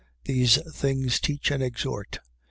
These things teach and exhort.